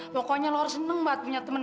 pokoknya laura seneng banget punya temen